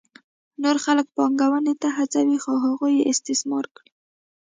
نور خلک پانګونې ته هڅوي څو هغوی استثمار کړي